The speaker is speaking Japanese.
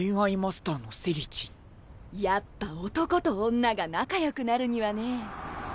やっぱ男と女が仲良くなるにはね。